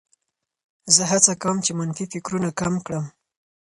زه هڅه کوم چې منفي فکرونه کم کړم.